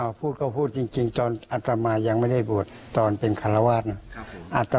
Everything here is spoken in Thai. อ้าวพูดก็พูดจริงจริงจอนอัตรมายังไม่ได้บวชตอนเป็นคัลวาสนะครับผม